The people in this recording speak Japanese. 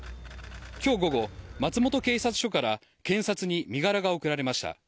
今日午後、警察署から検察に身柄が送られました。